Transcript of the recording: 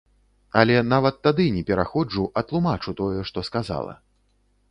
Але нават тады не пераходжу, а тлумачу тое, што сказала.